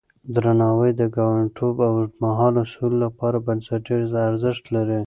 درناوی د ګاونډيتوب او اوږدمهاله سولې لپاره بنسټيز ارزښت لري.